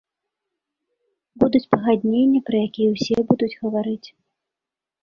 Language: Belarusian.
Будуць пагадненні, пра якія ўсе будуць гаварыць.